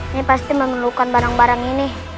ini pasti memerlukan barang barang ini